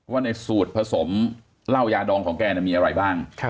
ว่าในสูตรผสมเหล้ายาดองของแกมีอะไรบ้าง